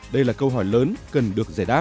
đây là câu hỏi lớn cần được giải đáp